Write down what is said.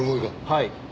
はい。